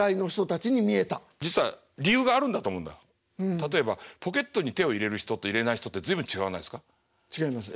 例えばポケットに手を入れる人と入れない人って随分違わないですか？